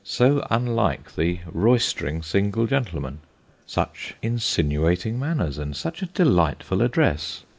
So unlike the roystering single gentleman. Such insinuating manners, and such a delightful address